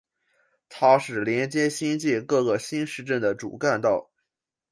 它是连接新界各个新市镇的主干道。